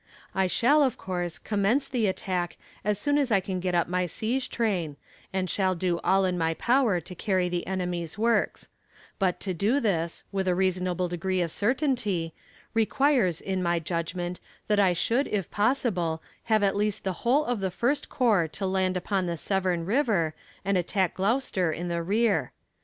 I shall of course commence the attack as soon as I can get up my siege train, and shall do all in my power to carry the enemy's works; but to do this, with a reasonable degree of certainty, requires, in my judgment, that I should, if possible, have at least the whole of the first corps to land upon the Severn river and attack Gloucester in the rear.